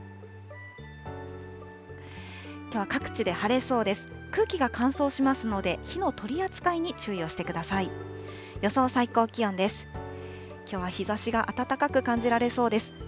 きょうは各地で晴れそうです。